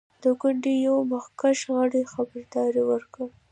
د ګوند یوه مخکښ غړي خبرداری ورکړ.